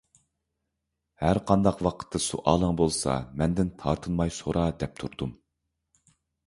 «ھەر قانداق ۋاقىتتا سوئالىڭ بولسا، مەندىن تارتىنماي سورا» دەپ تۇردۇم.